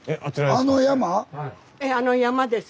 あの山の下です。